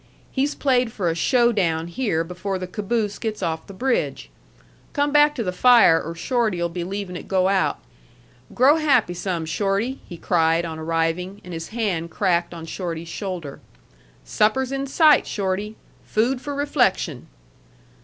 He's played for a show down here before the caboose gets off the bridge. Come back to the fire, or Shorty'll be leavin' it go out. Grow happy some, Shorty!" he cried on arriving, and his hand cracked on Shorty's shoulder. "Supper's in sight, Shorty. Food for reflection."